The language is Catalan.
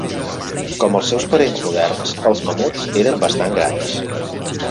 Com els seus parents moderns, els mamuts eren bastant grans.